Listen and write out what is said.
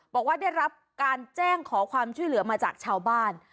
บอกว่าได้รับการแจ้งขอความช่วยเหลือมาจากชาวบ้าน